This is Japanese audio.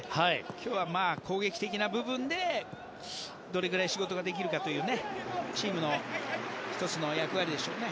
今日は攻撃的な部分でどれぐらい仕事ができるかがチームの１つの役割でしょうね。